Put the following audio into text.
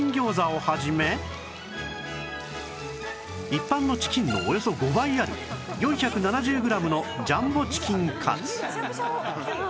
一般のチキンのおよそ５倍ある４７０グラムのジャンボチキンカツ